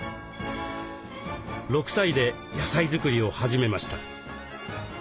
６歳で野菜作りを始めました。